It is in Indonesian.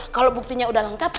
kalau buktinya udah lengkap